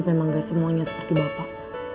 memang gak semuanya seperti bapak